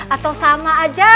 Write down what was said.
atau sama aja